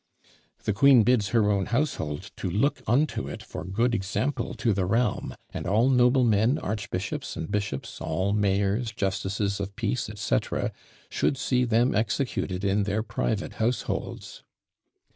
The queen bids her own household "to look unto it for good example to the realm; and all noblemen, archbishops and bishops, all mayors, justices of peace, &c., should see them executed in their private households."